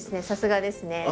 さすがですね。